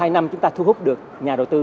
hai năm chúng ta thu hút được nhà đầu tư